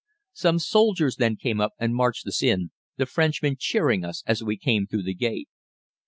Some soldiers then came up and marched us in, the Frenchmen cheering us as we came through the gate.